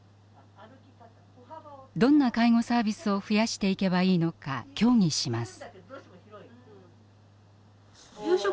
どんな介護サービスを増やしていけばいいのか協議します。